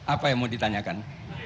apa yang mau ditanyakan